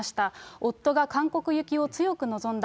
夫が韓国行きを強く望んだ。